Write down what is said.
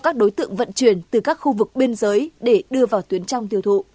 các đối tượng vận chuyển từ các khu vực biên giới để đưa vào tuyến trong tiêu thụ